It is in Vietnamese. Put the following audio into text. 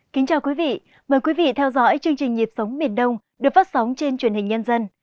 kính chào quý vị mời quý vị theo dõi chương trình nhịp sống miền đông được phát sóng trên truyền hình nhân dân